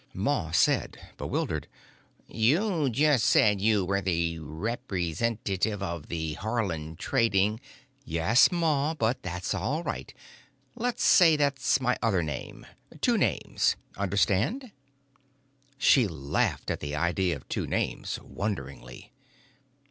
Ma said, bewildered, "You just said you were the representative of the Haarland Trading——" "Yes, Ma, but that's all right. Let's say that's my other name. Two names—understand?" She laughed at the idea of two names, wonderingly.